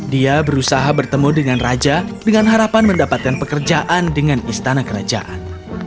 dia berusaha bertemu dengan raja dengan harapan mendapatkan pekerjaan dengan istana kerajaan